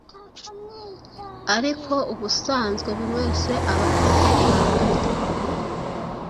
ariko ubusanzwe buri wese aba afite ibanga rye